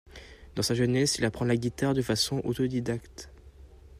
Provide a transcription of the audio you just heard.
Dans sa jeunesse, il apprend la guitare de façon autodidacte.